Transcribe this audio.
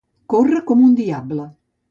Córrer com un diable.